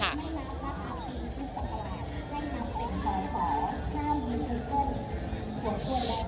มากตัวคะเป็นบริเวณพิธีอันเชิญ